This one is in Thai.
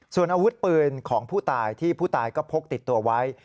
ส่วนอาวุธปืนของผู้ตายที่ผู้ตายก็พกติดตัวไว้